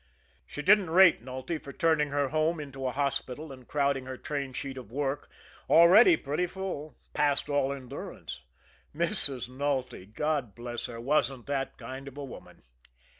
She didn't rate Nulty for turning her home into a hospital, and crowding her train sheet of work, already pretty full, past all endurance Mrs. Nulty, God bless her, wasn't that kind of a woman!